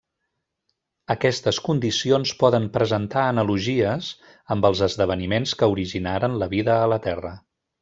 Aquestes condicions poden presentar analogies amb els esdeveniments que originaren la vida a la Terra.